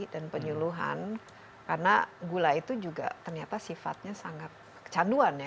dan penyeluhan karena gula itu juga ternyata sifatnya sangat kecanduan ya